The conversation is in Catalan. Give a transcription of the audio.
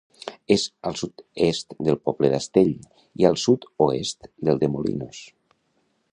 És al sud-est del poble d'Astell i al sud-oest del de Molinos.